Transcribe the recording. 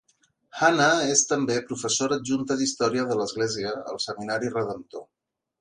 Hannah és també professora adjunta d'història de l'església al seminari Redemptor.